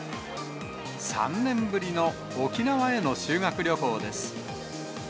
３年ぶりの沖縄への修学旅行です。